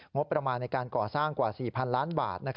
งบประมาณในการก่อสร้างกว่า๔๐๐๐ล้านบาท